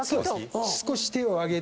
少し手を上げて。